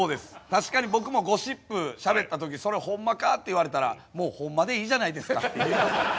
確かに僕もゴシップしゃべった時「それほんまか？」って言われたら「もうほんまでいいじゃないですか」って言います。